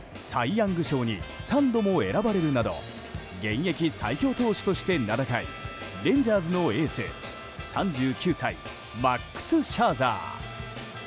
ヤング賞に３度も選ばれるなど現役最強投手として名高いレンジャーズのエース３９歳、マックス・シャーザー。